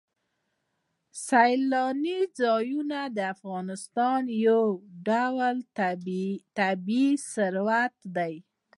سیلاني ځایونه د افغانستان یو ډول طبعي ثروت دی.